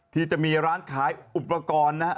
ที่จะมีร้านขายอุปกรณ์นะฮะ